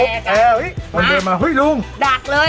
ก็เลยมาหุ้ยลุงดากเลย